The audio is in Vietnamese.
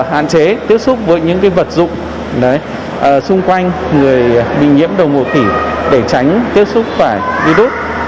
hạn chế tiếp xúc với những vật dụng xung quanh người bị nhiễm đầu mùa khỉ để tránh tiếp xúc phải virus